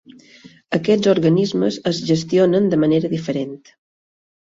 Aquests organismes es gestionen de manera diferent.